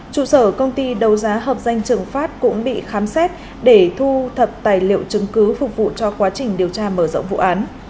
trụ sở công ty đấu giá hợp danh trường phát cũng bị khám xét để thu thập tài liệu chứng cứ phục vụ cho quá trình điều tra mở rộng vụ án